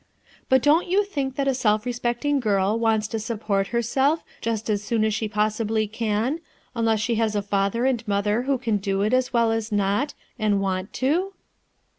But don't you think that a self respecting g\ T \ wants to support herself just as soon as she possibly can, unless she has a father and mother who can do it as well as not, and want to?"